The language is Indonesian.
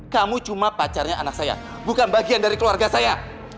kamu cuma pacarnya anak saya bukan bagian dari keluarga saya